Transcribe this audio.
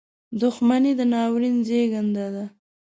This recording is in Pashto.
• دښمني د ناورین زیږنده ده.